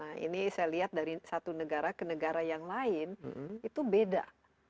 nah ini saya lihat dari satu negara ke negara yang lain itu beda